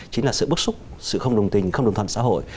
chính là sự bức xúc sự không đồng tình không đồng thuận xã hội